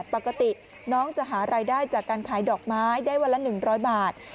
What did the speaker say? ปกติน้องจะหารายได้จากการขายดอกไม้ได้วันละ๑๐๐บาท